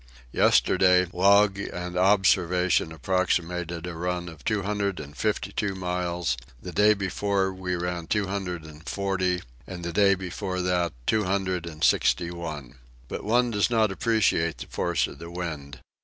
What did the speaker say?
Yesterday, log and observation approximated a run of two hundred and fifty two miles; the day before we ran two hundred and forty, and the day before that two hundred and sixty one. But one does not appreciate the force of the wind.